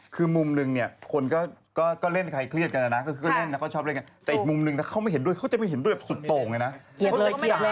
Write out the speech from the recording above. คือมุมหนึ่งก็มุมหนึ่งถ้าเขาไม่เห็นด้วยเขาจะไม่เห็นด้วยแบบสุดโตะคือ๒๐๐๐